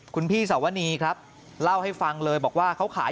คุณพี่สวนีครับเล่าให้ฟังเลยบอกว่าเขาขาย